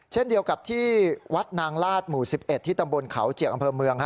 เช่นเดียวกับที่วัดนางลาดหมู่๑๑ที่ตำบลเขาเจียกอำเภอเมือง